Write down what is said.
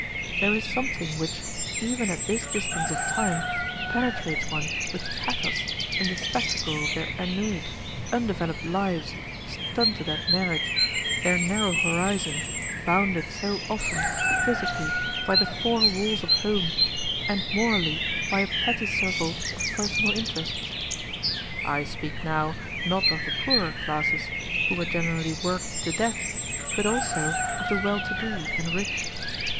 There is something which, even at this distance of time, penetrates one with pathos in the spectacle of their ennuied, undeveloped lives, stunted at marriage, their narrow horizon, bounded so often, physically, by the four walls of home, and morally by a petty circle of personal interests. I speak now, not of the poorer classes, who were generally worked to death, but also of the well to do and rich.